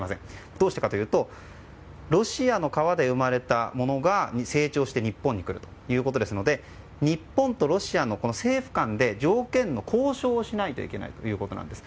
どうしてかというとロシアの川で生まれたものが成長して日本に来るということなので日本とロシアの政府間で条件の交渉をしなければいけないんです。